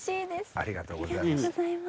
ありがとうございます。